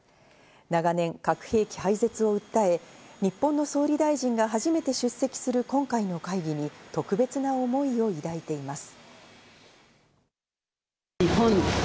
長年、核兵器廃絶を訴え、日本の総理大臣が初めて出席する今回の会議に特別な思いを抱いています。